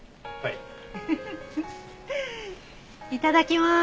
いただきまーす。